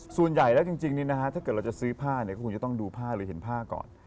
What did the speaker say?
ส่วนใหญ่แล้วจริงถ้าเกิดเราจะซื้อผ้าเนี่ยก็คงจะต้องดูผ้าหรือเห็นผ้าก่อน